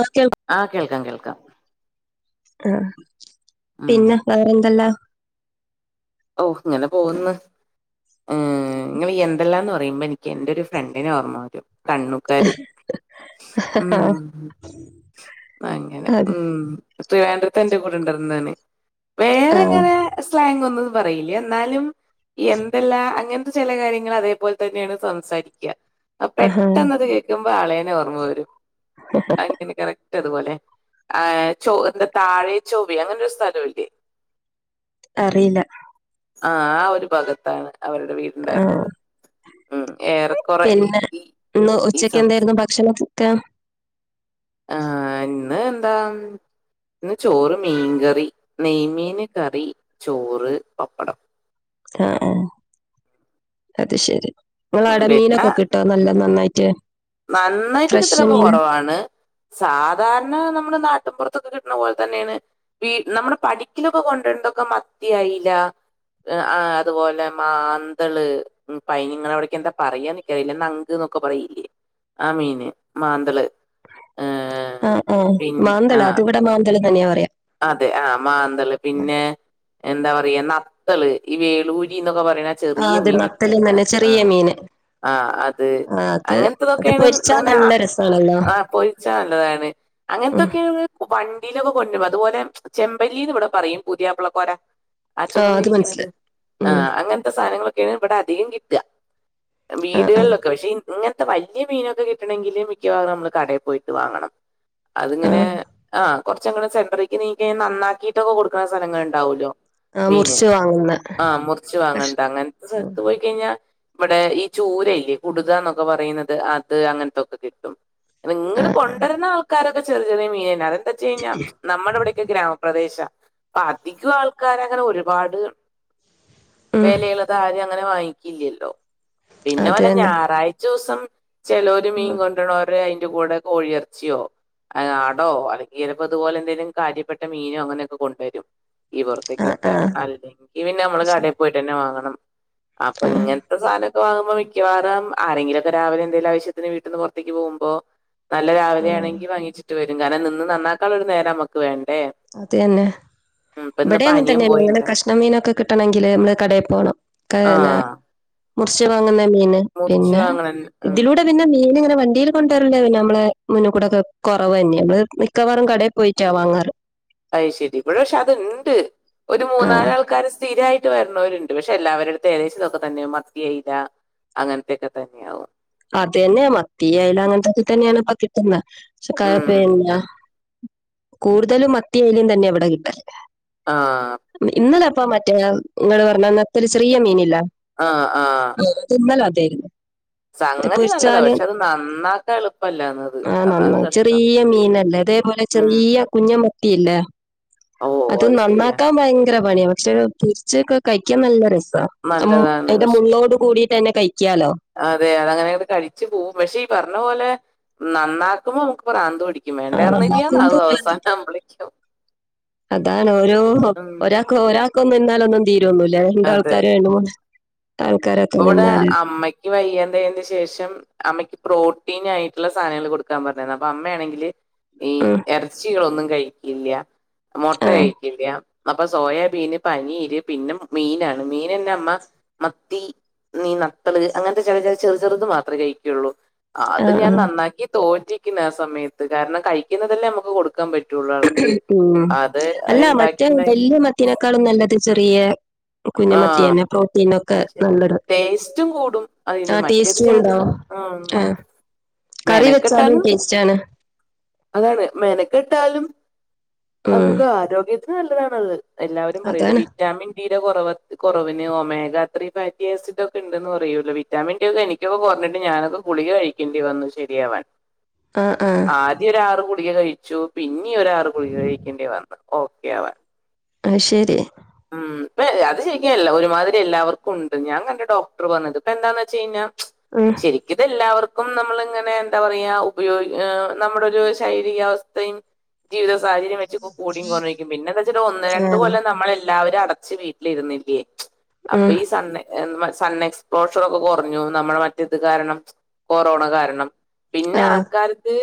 Okay. ആഹ് കേൾക്കാം. കേൾക്കാം ആഹ്. ഉം പിന്നെ വേറെ എന്തല്ലാം. ഓഹ് ഇങ്ങനെ പോക്ന്ന്. ഏഹ്. ഇങ്ങള് ഈ എന്തല്ലാ എന്ന് പറയുമ്പോ എനിക്ക് എന്റെ ഒരു ഫ്രണ്ടിനെ ഓർമ്മ വരും. കണ്ണുകാരി. ഉം. അങ്ങനെ. അതെ ഉം ത്രിവാന്തപുരത്ത് എന്റെ കൂടെ ഉണ്ടായിരുന്നു നീ ആഹ്. സ്ലാങ് ഒന്നും പറയില്ല. എന്നാലും എന്തെല്ലാ അങ്ങൻത്തെ ചെലെ കാര്യങ്ങള് അതേപോലെ തന്നെയാണ് സംസാരിക്ക. ആ ആഹാ പെട്ടെന്ന് അത് കേൾക്കുമ്പോ ആളേനെ ഓർമ്മ വെരും. പിന്നെ കറക്റ്റ് അതുപോലെ. ആഹ് ചൊ എന്താ താഴെ ചൊവ്വെ അങ്ങനെ ഒരു സ്ഥലംഇല്ലേ. അറീല്ല. ആഹ്. ആ ഒരു ഭാഗത്താണ് അവരുടെ വീട്. ആഹ്. ഏറെക്കുറെ പിന്നെ ഈ ഇന്ന് ഈ ഉച്ചക്ക് സംസ് എന്തായിരുന്നു ഭക്ഷണക്കെ ആഹ്. ഇന്ന് എന്താ ഇന്ന് ചോറ്, മീൻകറി, നെയ്മീൻ, കറി ചോറ്, പപ്പടം ആഹ്. അത് ശെരി. ഇങ്ങളെ ഉം ആടെ പിന്നെ മീനൊക്കെ കി ട്ടോ നല്ലൊം നന്നായിട്ട്. നന്നായിട്ട് ഫ്രഷ് കിട്ടലൊക്കെ മീൻ കൊറവാണ്. സാധാരണ നമ്മുടെ നാട്ടിൻപുറത്തൊക്കെ കിട്ട്ണ പോലെ തന്നെയാണ്. വീ നമ്മളെ പടിക്കലൊക്കെ കൊണ്ട്ര്ണതൊക്കെ മത്തി, അയില, ആ അതുപോലെ മാന്തള്, ഉം ഇപ്പയ്ന് നിങ്ങളെ അവിട്ക്ക് എന്താ പറയാന്ന് ഇക്ക് അറിയില്ല. നങ്ക്ന്നൊക്കെ പറയില്ലെ. ആ മീന് മാന്തള്. ഏ. ആ ആഹ്. മാന്തള്. അത് ഇവിടെ മാന്തള് തന്നെയാ പറയ. അതെ. ആഹ് മാന്തള്. പിന്നെ എന്താ പറയ നത്തള്, ഈ വേളൂരി, ഇന്നൊക്കെ പറിണെ. ആ അത് നത്തല് ന്നന്നെ ചെറിയ മീന്. ആഹ്. അത് ആ അത് അത് അങ്ങൻത്തതൊക്കെയാണ്. പൊരിച്ചാ ഇങ്ങനെ നല്ല രസാണല്ലോ ആ പൊരിച്ചാ നല്ലതാണ്. ഉം അങ്ങൻത്തൊക്കെ വണ്ടിയിലൊക്കെ കൊണ്ട്രും. അതുപോലെ ചെമ്പല്ലീന്ന് ഇവിടെ പറയും. പുതിയാപ്ലകോര. ആ അത് ചൊമന്നിരിക്കുന്നത്. മനസ്സിലായി ഉം ആഹ്. അങ്ങൻത്തെ സാധനങ്ങളൊക്കേണ് ഇവിടെ അധികം കിട്ട ആ ആ വീടുകളിലൊക്കെ. പക്ഷെ ഇങ്ങൻത്തെ വല്യ മീനൊക്കെ കിട്ടണങ്കില് മിക്കവാറും നമ്മൾ കടേ പോയിട്ട് വാങ്ങണം. അത് ആ ഇങ്ങനെ ആഹ് കൊറച്ച് അങ്ങട് സെന്ററിക്ക് നീങ്ങി കഴിഞ്ഞ നന്നാക്കീട്ടൊക്കെ കൊടുക്ക്ണ സ്ഥലങ്ങള് ഉണ്ടാവൊല്ലോ. ആ മീന്. മുറിച്ച് വാങ്ങുന്ന ആഹ് മുറിച്ച് കഷ് വാങ്ങണ്ട. അങ്ങൻത്തെ സ്ഥലത്ത് പോയി കഴിഞ്ഞാ ഇവിടെ ഈ ചൂരല്ലെ കുടുകന്നൊക്കെ പറയുന്നത്. അത് അങ്ങൻത്തൊക്കെ കിട്ടും. ആ ഇങ്ങട് ആ കൊണ്ട്രര് ണ ആൾക്കാരൊക്കെ ചെറിയ ചെറ്യേ മീനേനി. അതെന്താച്ചഴിഞ്ഞാ നമ്മുടെ ഇവിടെയൊക്കെ ഗ്രാമപ്രദേശ. അപ്പ അധികം ആൾക്കാര് അങ്ങനെ ഒരുപാട് ഉം വെലയ്ള്ളത് ആരും അങ്ങനെ വാങ്ങിക്ക്‌ല്യല്ലോ. പിന്നെ അത് വാണം തന്നെ ഞായറാഴ്ചോസം. ചേലോര് മീൻ ഉം. കൊണ്ട്രാണോരെ അയ്‌ന്റെ കൂടെ കോഴിയർ ച്യോ, ആടോ, അല്ലെങ്കി ഇതു പോലെ എന്തെങ്കിലും കാര്യപ്പെട്ട മീനോ അങ്ങനെയൊക്കെ കൊണ്ടരും. ഈ ആ പുറത്തേക്കൊക്കെ ആ അല്ലെങ്കി പിന്നെ നമ്മള് കടയിപോയിട്ടന്നെ വാങ്ങണം അപ്പൊ ആഹ് ഇങ്ങത്തെസാധനൊക്കെ വാങ്ങുമ്പോ മിക്കവാറും ആരെങ്കിലുവൊക്കെ രാവിലെ എന്തേലും ആവശ്യത്തിന് വീട്ടീന്ന് പൊറ ത്തേക്ക് പോകുമ്പോ നല്ല ആഹ് രാവിലെയാണെങ്കി വാങ്ങിച്ചിട്ട് വരും കാരണം നിന്ന് നന്നാക്കാനുള്ള ഒരു നേരം നമുക്ക് വേണ്ടേ അത് തന്നെ ഉം, ഇപ്പൊ ഇവിടെം ഇന്നിപ്പോ അങ്ങനെ അനിയൻ തന്നെയാണ് നിങ്ങള് പോയിണ്ട് കഷ്ണം മീന് ഒക്കെ കിട്ടണമെങ്കില് നമ്മള് കടയിൽ പോണം ആ മുറിച്ച് വാങ്ങുന്ന മീന് മുറിച്ച് പിന്നെ വാങ്ങണ ഉം, ഇതിലൂടെ പിന്നെ മീന് ഇങ്ങനെ വണ്ടിയിൽ കൊണ്ടുവരല്ലന്നെ നമ്മളെ മുന്നേകൂടൊക്കെ കുറവ് തന്നെ നമ്മള് മിക്കവാറും കടയിൽ പോയിട്ടാ വാങ്ങാറ് അത് ശെരി ഇവിടെ പക്ഷെ അത്ണ്ട് ഒരു ആഹ് മൂന്നാലാൾക്കാര് സ്ഥിരായി വരണവരുണ്ട് പക്ഷെ എല്ലാവരുടുത്തും ഏകദേശം ഇതൊക്കെ തന്നെ മത്തി അയില അങ്ങനത്തെയൊക്കെ തന്നെയാകും അത തന്നേ മത്തി അയല അങ്ങനത്തൊക്കെ തന്നെയാണ് ഇപ്പൊ കിട്ടുന്നേ പക്ഷെ ഉം പിന്നെ കൂടുതലും മത്തിയോം അയലേം തന്നെയാ ഇവിടെ കിട്ടല് ആഹ് ഇന്നലെയപ്പം മറ്റേ ഇങ്ങള് പറഞ്ഞെ നത്തോലി ചെറിയ മീനില്ലേ ആഹ് ആഹ് ആഹ് ഇന്നല്ലെ അതാരുന്നു സംഗതി നല്ലതാ പൊരിച്ചാല് പക്ഷെ അത് നന്നാക്കാൻ എളുപ്പമല്ലാന്നത് ആഹ് അതാണ് നന്ന് കഷ്ടം ചെറീയ മീനല്ലേ ഇതേപോലെ ഉം ചെറീയ കുഞ്ഞുമത്തിയില്ലേ ഓ അത് ശെരിയാ. നന്നാക്കാൻ ഭയങ്കര പണിയാ പക്ഷെ പോരിച്ചൊക്കെ കഴിക്കാൻ നല്ല രസാണ് ഉം നല്ലതാണ് അയിന്റെ പക്ഷെ മുള്ളോട് കൂടിതന്നെ കഴിക്ക്യാലോ അതെ അത് അങ്ങനെയങ്ങ് കഴിച്ചപോകും പക്ഷെ ഈ പറഞ്ഞ പോലെ നന്നാക്കുമ്പോ നമ്മക്ക് പ്രാന്ത് ‌പിടിക്കും ആഹ് നന്നാക്കുമ്പോ പ്രാന്ത് പിടിക്കും അതാണ് ഓരോ ഉം. ഒരാ ക്കോ ഒരാക്കൊനിന്നാലൊന്നും തീരോന്നില്ല അതെ. രണ്ടാൾക്കാരോ രണ്ട് മൂന്ന് ആൾക്കാര് ഇവിടെ അമ്മയ്ക്ക് വയ്യണ്ടായേന് ശേഷം അമ്മക്ക് പ്രോട്ടീനായിട്ടുള്ള സാധനങ്ങൾ കൊടുക്കാൻ പറഞ്ഞാരുന്നു അപ്പൊ അമ്മയാണെങ്കില് ഈ ഉം ഇറച്ചികളൊന്നും കഴിക്കില്ല്യ മുട്ട ആഹ് കഴിക്കില്ല്യ അപ്പൊ സോയാബീന് പനീര് പിന്നെ മീനാണ് മീനന്നെ അമ്മ മത്തി നീ നത്തള് അങ്ങൻത്തെ ചെല ചെല ചെറു ചെറുത് മാത്രമേ കഴിക്കോള്ളൂ അത് ആഹ് ഞാൻ ആഹ് നന്നാക്കി തോറ്റ് ക്കണ ആഹ് സമയത്ത് കാരണം കഴിക്കുന്നതല്ലേ നമ്മക്ക് കൊടുക്കാൻ പ റ്റൊള്ളാൾക്ക് ഉം അത് ഇണ്ടാക്കി ഇണ്ടാ ത്തിനേക്കാളും നല്ലത് ചെറിയ ആ കുഞ്ഞുമത്തിയന്നെ പ്രോട്ടീനോക്കെ അത് ശരി നല്ലതാ ടേസ്റ്റും ആഹ് ടേസ്റ്റും ഉണ്ടാവും ആഹ് കറി വെച്ചാലും ടേസ്റ്റാണ് അതാണ് മെനക്കെട്ടാലും ഉം നമുക്ക് ആരോഗ്യത്തിന് നല്ലതാണത് എല്ലാവരും പറയൂല്ലോ അതാണ് വിറ്റാമിൻ ഡിയുടെ കുറവിന് ഒമേഗ ത്രീ ഫാറ്റി ആസിഡ് ഒക്കെണ്ടന്ന് പറയൂല്ലോ വിറ്റാമിൻ ടി ഒക്കെ എനി ക്ക് ഒക്കെ കൊറഞ്ഞിട്ട് ഞാനൊക്കെ ഗുളിക കഴിക്കേണ്ടി വന്നു ശെരിയാവാൻ ആഹ് ആഹ് ഒരാറ് ഗുളിക കഴിച്ചു പിന്നീം ഒരാറ് ഗുളിക കഴിക്കേണ്ടി വന്നു ഓക്കെയാവാൻ അത് ശെരി ഉം അത് ശരിക്കല്ല ഒരുമാതിരി എല്ലാവർക്കും ഉണ്ട് ഞാൻ കണ്ട ഡോക്ടർ പറഞ്ഞത് ഇപ്പൊ എന്താന്ന് വെച്ച്കഴിഞ്ഞാ [unintelligible] ശരിക്കിതെല്ലാവർക്കും നമ്മളിങ്ങനെ എന്താ പറയാ ഉപയോഗ നമ്മുടെ ഒരു ശാരീരികാവസ്ഥയും ജീവിത സാഹചര്യം വെച്ച് കൂടിയും കുറഞ്ഞും നിക്കും പിന്നെന്ന് വെച്ചിട്ട് ഒന്ന് രണ്ട് ആഹ് കൊല്ലം നമ്മളെല്ലാവരും അടച്ച് വീ ല് ഇരുന്നില്ലേ അപ്പൊ ഉം ഈ സണ്ണ് എം സൺ എക്സ്പ്ലോഷർ ഒക്കെ കുറഞ്ഞു നമ്മടെ മറ്റേ ഇത് കാരണം കൊറോണ കാരണം പിന്നെ ആഹ് ആൾക്കാർക്ക്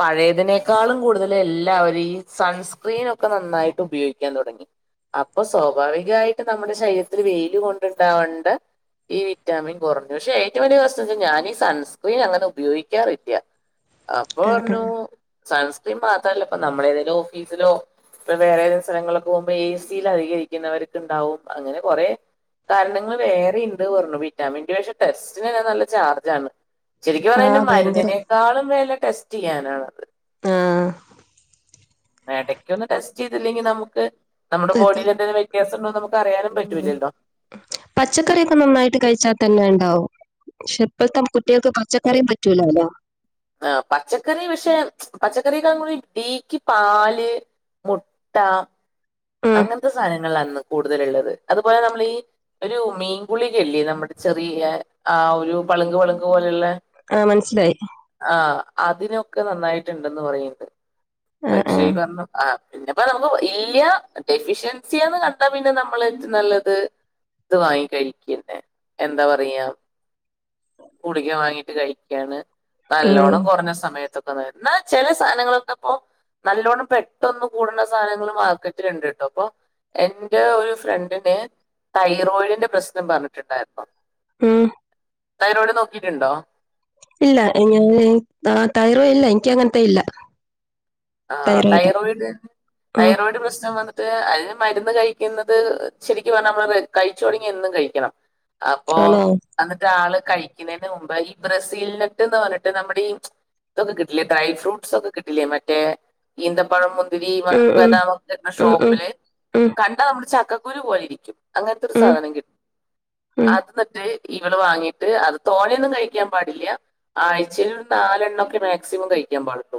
പഴയതിനേക്കാളും കൂടുതൽ എല്ലാവരും ഈ സൺസ്ക്രീനൊക്കെ നന്നായിട്ട് ഉപയോഗിക്കാൻ തുടങ്ങി അപ്പൊ സ്വാഭാവികായിട്ട് നമ്മുടെ ശരീരത്തിൽ വെയില് കൊണ്ടുണ്ടാവേണ്ട ഈ വിറ്റാമിൻ കുറഞ്ഞു പക്ഷെ ഏറ്റവും വലിയ പ്രശ്നം ന്താ ഞാന് ഈ സൺസ്ക്രീൻ അങ്ങനെ ഉപയോഗിക്കാറില്ല അപ്പ പറഞ്ഞു സൺസ്ക്രീൻ മാത്രല്ല ഇപ്പ നമ്മള് ഏതേലും ഓഫീസിലോ ഇപ്പൊ വേറെ ഏതേലും സ്ഥലങ്ങളിലൊക്ക പോകുമ്പോ എ സിയിൽ അധികം ഇരിക്കുന്നവർക്ക് ഉണ്ടാവും അങ്ങനെ കൊറെ കാരണങ്ങൾ വേറെണ്ട് പറഞ്ഞു വിറ്റാമിന്റെ പക്ഷെ ടെസ്റ്റിന് തന്നെ നല്ല ചാർജാണ് ശരിക്കും പറഞ്ഞാ അയ്‌ന്റെ ആഹ് ഭയങ്കര മരുന്നിനേക്കാളും വില ടെസ്റ്റ് ചെയ്യാനാണ് ആഹ് എടക്ക് ഒന്ന് ടെസ്റ്റയ്തില്ലെങ്കി നമുക്ക് നമ്മുടെ അത് ബോഡിൽ എന്തേലും വ്യത്യാസം ഉണ്ടോന്ന് നമുക്ക് അിയാനും ഉം പറ്റൂല്ലല്ലോ പച്ചക്കറിയൊക്കെ നന്നായിട്ട് കഴിച്ചാ തന്നെ ഉണ്ടാവും പക്ഷെ ഇപ്പഴത്തെ കുട്ടികൾക്ക് പച്ചക്കറിയും പറ്റൂലല്ലോ ആഹ് പച്ചക്കറി പക്ഷെ പച്ചക്കറക്കാ കൂടുതല് ഡീക്ക് പാല് മുട്ട ഉം അങ്ങൻത്തെ സാധനങ്ങളാണ് കൂടുതലുള്ളത് അതുപോലെ നമ്മള് ഈ ഒരു മീൻഗുളിക ഇല്ലേ നമ്മുടെ ചെറിയ ആ ഒരു പളുങ്ക് പളുങ്ക് പോലെള്ള ആഹ് മനസ്സിലായി ആ അതിനൊക്കെ നന്നായിട്ടുണ്ടന്ന് പറയുണ്ട് ആഹ് പക്ഷേ ഈ ആഹ് പറഞ്ഞ ആഹ് പിന്നെപ്പം നമുക്ക് ഇല്ല ഡെഫിഷ്യൻസി ആന്ന് കണ്ടാ പിന്നെ നമ്മള് നല്ലത് ഇത് വാങ്ങി കഴിക്കുന്നെ എന്താ പറയാ ഗുളിക വാങ്ങിട്ട് കഴിക്ക്യാണ് നല്ലോണ്ണം ഉം കുറഞ്ഞ സമയത്തൊ [unintelligible] ന്നാ ചെല സാധനങ്ങളൊക്കെപ്പോ നല്ലോണ്ണം പെട്ടൊന്ന് കൂടുന്ന സാനങ്ങള് മാർക്ക ഇത്‌ രണ്ട് ട്ടപ്പൊ എന്റെ ഒരു ഫ്രണ്ടിന് തൈറോയിഡിന്റെ പ്രശ്നം പറഞ്ഞിട്ടുണ്ടായിരുന്നു ഉം തൈറോയ്ഡ് നോക്കിയിട്ടുണ്ടോ ഇല്ല ഞാന് ആഹ് തൈറോ ഇല്ല ഇൻക്ക് അങ്ങൻത്തെ ഇല്ല ആഹ് തൈറോയ്ഡ് തൈറോയിഡ് ഉം തൈറോയിഡ് പ്രശ്നം വ ട്ട് അയ്ന് മരുന്ന് കഴിക്കുന്നത് ശരിക്കും പറഞ്ഞ നമ്മള് കഴിച്ചു തുടങ്ങിയാ എന്നും കഴിക്കണം അപ്പൊ ആണോ എന്നിട്ട് ആള് കഴിക്നേന്റെ മുമ്പേ ഈ ബ്രസീലിനട്ട്ന്ന് പറഞ്ട്ട് നമ്മടെ ഈ ഇതൊക്കെ കിട്ടില്ലേ ഡ്രൈ ഫ്രൂട്ടസ് ഒക്കെ കിട്ടില്ലേ മ റ്റേ ഈന്തപ്പഴം മുന്തിരി ഉം ഉം ബദാമൊക്കെ കിട്ടണ ഉം ഷോപ്പില് ഉം കണ്ടാ നമ്മുടെ ചക്കക്കുരു പോലെരിക്കും അങ്ങൻത്തെരു ഉം ഉം സാധനം കിട്ടും ഉം അത് ന്നട്ട് ഇവള് വാങ്ങിട്ട് അത് തോനൊന്നും കഴിക്കാൻ പാടില്ല ആഴ്ചയിൽ ഒരു നാലെണ്ണോക്കെ മാക്സിമം കഴിക്കാൻ പാടുള്ളൂ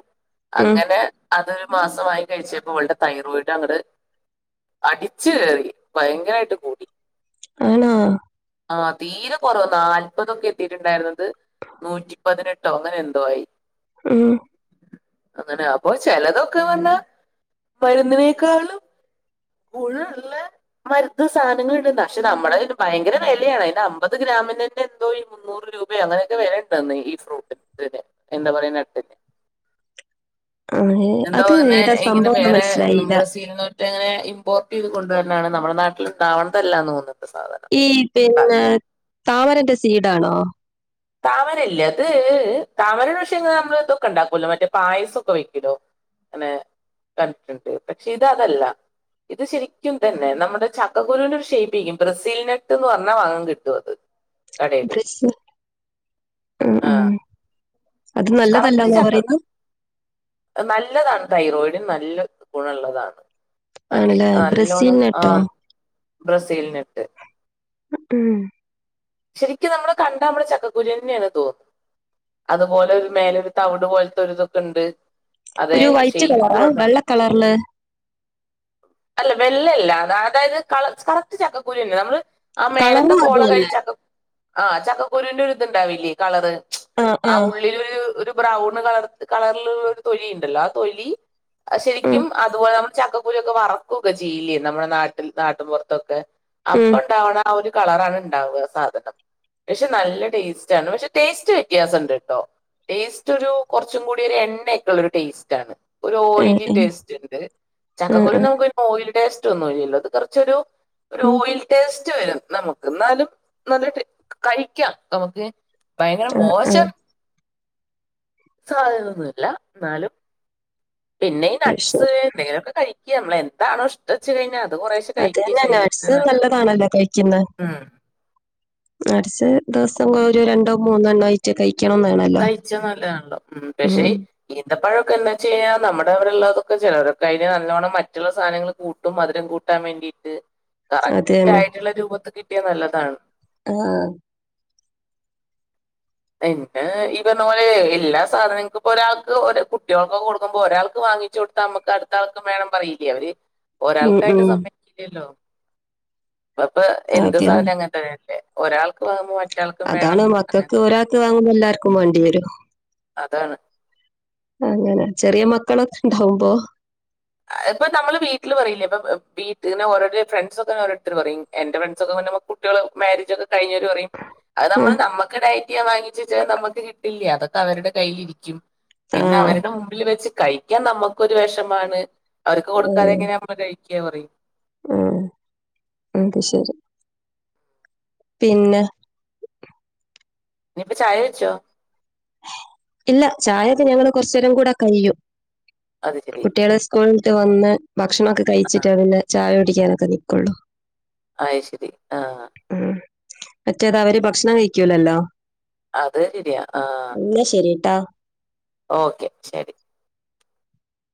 ഉം അങ്ങനെ അതൊരു മാസമായി കഴിച്ചപ്പോ അവളുടെ തൈറോയിഡ് അങ്ങട് അടിച്ചു കേറി ഭയങ്കരമായിട്ട് കൂടി ആണോ ആ തീരെ കുറവ് നാല് പതൊക്കെ എത്തിട്ടുണ്ടായിരുന്നത് നൂറ്റിപ്പതിനെട്ടോ അങ്ങനെ എന്തോ ആയി ഉം അങ്ങനെ അപ്പൊ ചിലതൊക്കെ വന്നാ മരുന്നിനേക്കാളും ഫുൾ ഇള്ളെ മരുന്ന് സാനങ്ങൾ ഇട്ന്നാ പക്ഷെ നമ്മളെ ഭയങ്കര വെലയാണ് അയിന്റെ അമ്പത് ഗ്രാമിനന്നെ എന്തോയ്യും മുന്നൂറ് രൂപയോ അങ്ങനെയൊക്കെ വെലയുണ്ടെന്ന് ഈ ഫ്രൂട്ടിന് എന്താ പറയ വാൾനട്ട് ആ എന്തോ അത് പറഞ്ഞേ ഏതാ ഇങ്ങനെ സംഭവംന്ന് വേറെ ഉം മനസ്സിലായില്ല ബ്രസീല് ലെ ങ്ങനെ ഇമ്പോർട്ട് ചെയ്ത് കൊണ്ടു വരുന്നതാണ് നമ്മുടെ നാട്ടില് ഇണ്ടാവുന്നതല്ലാന്ന് തോന്നുന്നുണ്ട് സാധനം ഈ പിന്നെ താമരന്റെ സീഡാണോ താമരയില്ലേ അത് താമര പക്ഷേന നമ്മൾ ഇതൊക്കെ ഉണ്ടാക്കല്ലോ മറ്റേ പായസമൊക്കെ വെക്കല്ലോ അങ്ങനെ കണ്ടിട്ടുണ്ട് പക്ഷെ ഇത് അതല്ല ഇത് ശരിക്കും ഇതന്നെ നമ്മുടെ ചക്കുരുവിന്റെ ഒരു ഷെയ്യിപ്പേരിക്കും ബ്രസീൽ നെട്ട്ന്ന് പറഞ്ഞാൽ വാങ്ങാൻ കിട്ടും അത് കടയില് ബ്രസീൽ ആഹ് ആ ആഹ് കറക്റ്റ് ചക്ക നല്ലതാണ് തൈറോയിട്ന് നല്ല ഗുണള്ളതാണ് ആണല്ലേ ബ്രസീൽ നല്ലോണം നട്ടോ ആഹ് ബ്രസീൽ നട്ട് ഉം ശരിക്കും നമ്മള് കണ്ടാ നമ്മള് ചക്കക്കുരു തന്നെയാണ് തോന്നു അതുപോലെ ഒരു മേലരു തവിട് പോലത്തെരിതൊക്കെ ഉണ്ട് അതെ ഒരു വൈറ്റ് ശൈയിപ്പു കളറാ അതാ വെള്ള കളറില് അല്ല വെള്ളല്ല അതായത് കള കറക്റ്റ് ചക്കക്കുരു തന്നെ നമ്മള് ആ മേലത്തെ കളറും അത് പോള കഴിഞ്ഞ് തന്നെ ചക്ക ആഹ് ചക്കക്കുരുവിന്റെ ഒരിത്ണ്ടാവില്ലേ കളറ് ആ ഉള്ള് ള്ളില് ഒരു ബ്രൗണ് കള കളറിളുള്ള ഒരു തൊലി ഉണ്ടല്ലോ ആ തൊലി അത് ഉം, ശെരിക്കും ആഹ് അതുപോലെ നമ്മുടെ ചക്കക്കുരുക്കെ വറക്കൊക്കെ ചെയ്യില്ലേ നമ്മുടെ നാട്ടും നാട്ടിൻ പൊറത്തൊക്കെ ഉം, അപ്പൊ ഇണ്ടാവ്ണ ആ ഒരു കളറാണ് ഉണ്ടാവുക സദ് പക്ഷെ നല്ല ടേസ്റ്റ് ആണ് പക്ഷെ ടേസ്റ്റ് വ്യത്യാസം ഇണ്ട്ട്ടോ ടേസ്റ്റ് ഒരു കൊറച്ചും കൂടി ഒരു എണ്ണയൊക്കള്ള ഒരു ടേസ്റ്റ് ആണ് ഒരു ഉം, ഉം, ഓയിലി ടേസ്റ്റ്ണ്ട് ഉം, ചക്കക്കുരുവിനു ഉം, നമക്ക് ഓയിൽ ടേസ്റ്റ് ഒന്നും ഇല്ലല്ലോ ഇത് കൊറച്ചൊരു ഉം, ഓയിൽ ടേസ്റ്റ് വരും നമുക്ക് എന്നാലും ന്നാലും കഴിക്കാം നമുക്ക് ഭയങ്കര ആ, ആ. മോശം സാധ്യതൊന്നുല്ല ന്നാലും പിന്നെ ഈ അത് നട്ട്സ് ശരി എന്തെങ്കിലുമൊക്കെ കഴിക്യാ നമ്മളന്താണോ ഇഷ് ട്ടച്ച് കഴിഞ്ഞാൽ അത് കൊറേശേ അത് കഴിക്കുക തന്നെ ശെരീരത്തിന് നട്സ് നല്ലത് നല്ലതാണല്ലോ ഉം നഡ്സ് ദിവസം ഒരു രണ്ടോ മൂന്നോ എണ്ണോ ആയിട്ട് കഴിക്കണം ന്നാണ് കഴിച്ചാ നല്ലതാണല്ലോ ഉം പക്ഷേ ഈന്തപ്പഴൊക്കെ എന്നാ ചെയ്യാ നമ്മടെ അവ്ടെ ള്ളതൊക്കെ ചെലരൊക്കെ അയിന് നല്ലോണം മറ്റ്ള്ള സാനങ്ങൾ കൂ ട്ടും മധുരം കൂട്ടാൻ വേണ്ടീട്ട് അത് കറക്റ്റ് തന്നെ ആയിട്ടുള്ള രൂപത്ത് കിട്ടിയ നല്ലതാണ് ആഹ് എനിക്ക് ഈ പറഞ്ഞ മാതിരി എല്ലാ സാധനങ്ങൾക്കും ഇപ്പോ ഒരാൾക്ക് ഒര് കുട്ടികൾക്കൊക്ക കൊടുക്കുമ്പോ ഒരാൾക്ക് വാങ്ങിച്ചു കൊടു ത്താ നമുക്ക് അടുത്ത ആൾക്കും വേണം പറയില്ലേ അവര് ഉം, ഒരാൾക്കായിട്ട് ഉം. സമ്മയ്ക്കൂലല്ലോ അതിപ്പോ അത് എന്ത് സാധനം തന്നെ അങ്ങനത്തെന്നെല്ലേ ഒരാൾക്ക് വാങ്ങുമ്പോ മ അതാണ് മക്കൾക്ക് ഒരാൾക്ക് വാങ്ങുമ്പ എല്ലാവർക്കും വേണ്ടി വരും അതാണ് അങ്ങനെ ചെറിയ മക്കളൊക്കെ ഉണ്ടാവുമ്പോ ഇപ്പൊ നമ്മള് വീട്ടില് പറയില്ല ഇപ്പൊ വീട്ട് ഓരോരു ഫ്രണ്ട്സൊക്കെ ങ്ങനെ ഇടത്ത്ണു പറയും എന്റെ ഫ്രണ്ട്സ ഒക്കെ ഇപ്പൊ മേരേജൊക്കെ കഴിഞ്ഞൊരു പറയും അത് നമ്മള് ആഹ് നമ്മക്ക് ഡയറ്റ് ചെയ്യാൻ വാങ്ങിച്ച് വച്ചാൽ നമുക്ക് കിട്ടില്ല അതൊക്കെ അവരുടെ കയ്യിലിരിക്കും പിന്നെ ആഹ് അവരുടെ മുമ്പിൽ വെച്ച് കഴിക്കാൻ നമ്മുക്കൊര് വെഷമാണ്, അവർക്ക് കൊടുക്കാതെ എങ്ങനെ [unintelligible] പറിം ആഹ് അത് ശെരി പിന്നെ ഇനിപ്പ ചായാച്ചോ ഇല്ല ചായാച്ചാൻ ഞങ്ങള് കൊറച്ചേരം കൂടെ കഴിയും അത് ശരി കുട്ട്യേള്സ് സ്കൂൾട്ട് വന്ന് ഭക്ഷണൊക്കെ ആ കഴിച്ചിട്ടാണ് പിന്നെ ചായ കുടിക്കാനൊക്കെ നിക്കൊള്ളു അത് ശെരി ആഹ് ഹ്മ്മ്, മറ്റേതവര് ഭക്ഷണം കഴിക്കൂലല്ലോ അത് ശെരിയാ ആഹ് ഇന്നാ ശെരിട്ടാ ഓക്കെ ശെരി.